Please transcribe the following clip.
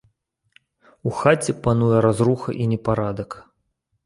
У хаце пануе разруха і непарадак.